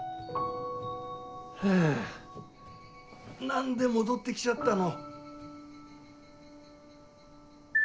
ハァ何で戻って来ちゃったの？